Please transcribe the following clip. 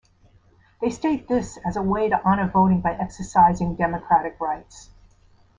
They state this as a way to honor voting by exercising democratic rights.